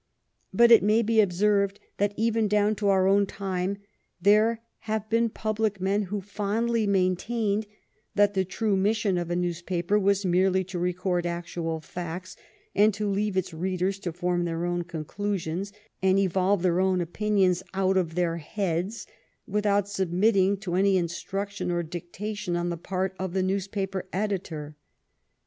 But it may be observed that, even down to our own time, there have been public men who fondly maintained that the true mission of a newspaper was merely to record actual facts and to leave its readers to form their own conclusions and evolve their own opinions out of their heads without submitting to any instruction or dictation on the part of the newspaper editor.